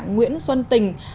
nguyễn xuân tình